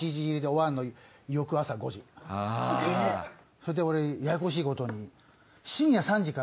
それで俺ややこしいことに。